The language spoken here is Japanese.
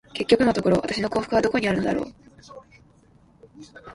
結局のところ、私の幸福はどこにあるのだろう。